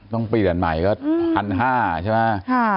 ต้องปรีดอันใหม่ก็ทันห้าใช่ป่ะ